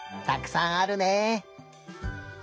たくさんあるね。